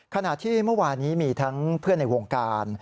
ขณะที่เมื่อวานี้มีทั้งเพื่อนในวงการ